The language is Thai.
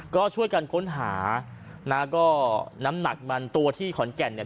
ก็ช่วยกันค้นหานะก็น้ำหนักมันตัวที่ขอนแก่นเนี่ย